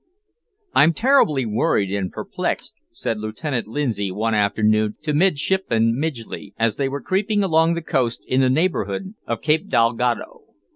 "I'm terribly worried and perplexed," said Lieutenant Lindsay one afternoon to Midshipman Midgley, as they were creeping along the coast in the neighbourhood of Cape Dalgado.